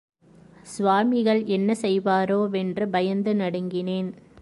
சுவாமிகள் என்ன செய்வாரோ வென்று பயந்து நடுங்கினேன்.